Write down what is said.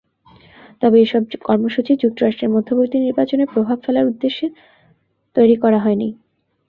তবে এসব কর্মসূচি যুক্তরাষ্ট্রের মধ্যবর্তী নির্বাচনে প্রভাব ফেলার উদ্দেশ্য তৈরি করা হয়নি।